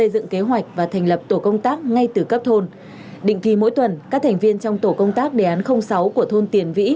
định dựng kế hoạch và thành lập tổ công tác ngay từ cấp thôn định kỳ mỗi tuần các thành viên trong tổ công tác đề án sáu của thôn tiền vĩ